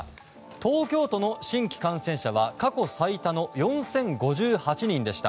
東京都の新規感染者は過去最多の４０５８人でした。